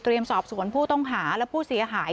สอบสวนผู้ต้องหาและผู้เสียหาย